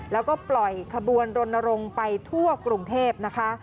แล้วก็ปล่อยขบวนรณรงค์ไปทั่วกรุงเทพนะคะ